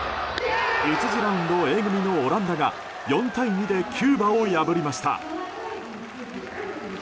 １次ラウンドＡ組のオランダが４対２でキューバを破りました。